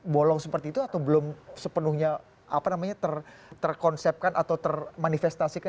bolong seperti itu atau belum sepenuhnya terkonsepkan atau termanifestasikan